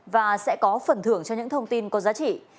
và sẽ có phần thưởng cho những thông tin có giá trị